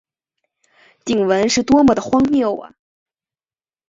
鼎文是多么地荒谬啊！